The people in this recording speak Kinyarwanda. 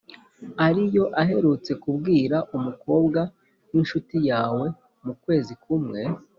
ari yo aherutse kubwira umukobwa w incuti yawe mu kwezi kumwe